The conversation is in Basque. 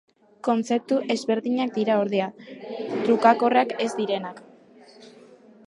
Kontzeptu ezberdinak dira ordea, trukakorrak ez direnak.